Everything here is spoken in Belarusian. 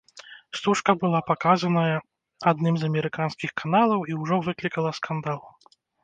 Стужка была паказаная адным з амерыканскіх каналаў і ўжо выклікала скандал.